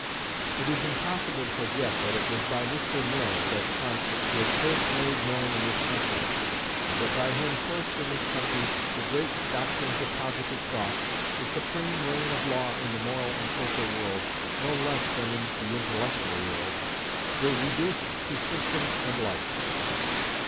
It is impossible to forget that it was by Mr. Mill that Comte was first made known in this country, and that by him first in this country the great doctrines of positive thought, the supreme reign of law in the moral and social world, no less than in the intellectual world, were reduced to system and life.